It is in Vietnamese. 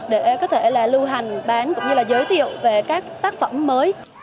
để có thể là lưu hành bán cũng như là giới thiệu về các tác phẩm mới